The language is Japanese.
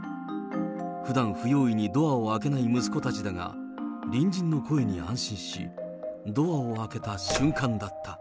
ふだん不用意にドアを開けない息子たちだが、隣人の声に安心し、ドアを開けた瞬間だった。